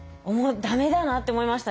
駄目だなって思いましたね。